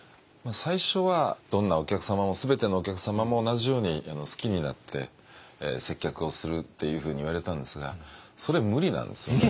最初はどんなお客様も全てのお客様も同じように好きになって接客をするっていうふうに言われたんですがそれ無理なんですよね。